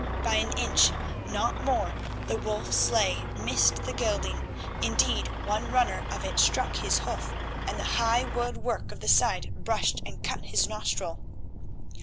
By an inch—not more—the Wolf sleigh missed the gelding. Indeed, one runner of it struck his hoof, and the high wood work of the side brushed and cut his nostril.